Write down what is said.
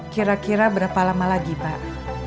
kira kira berapa lama lagi pak